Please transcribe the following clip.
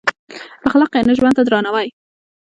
اخلاق یعنې ژوند ته درناوی.